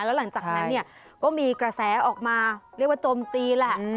แล้วหลังจากนั้นเนี่ยก็มีกระแสออกมาเรียกว่าโจมตีแหละ